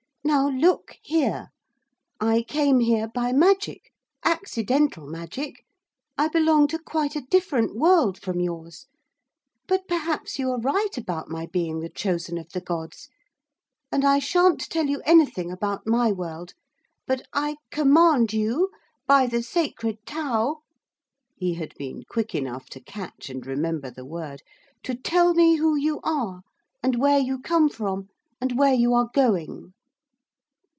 'Now look here. I came here by magic, accidental magic. I belong to quite a different world from yours. But perhaps you are right about my being the Chosen of the Gods. And I sha'n't tell you anything about my world. But I command you, by the Sacred Tau' (he had been quick enough to catch and remember the word), 'to tell me who you are, and where you come from, and where you are going.'